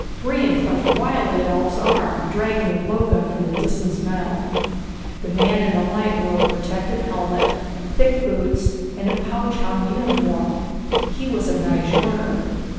Brion clutched wildly at Ulv's arm, dragging the blowgun from the Disan's mouth. The man in the light wore a protective helmet, thick boots and a pouch hung uniform. He was a Nyjorder.